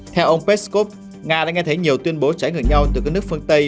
theo ông peskov nga đã nghe thấy nhiều tuyên bố trái ngược nhau từ các nước phương tây